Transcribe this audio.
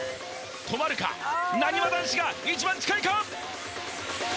止まるかなにわ男子が一番近いか？